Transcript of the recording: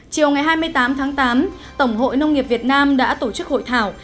chiều ngày hai mươi tám tháng tám tổng hội nông nghiệp việt nam đã tổ chức hội thảo